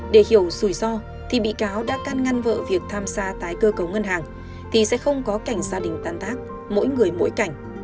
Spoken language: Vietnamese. để hiểu rủi ro thì bị cáo đã can ngăn vợ việc tham gia tái cơ cấu ngân hàng thì sẽ không có cảnh gia đình tan tác mỗi người mỗi cảnh